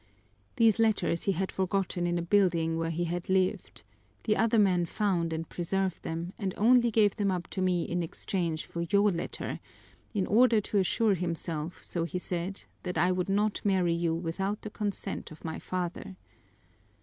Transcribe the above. These letters he had forgotten in a building where he had lived; the other man found and preserved them and only gave them up to me in exchange for your letter, in order to assure himself, so he said, that I would not marry you without the consent of my father.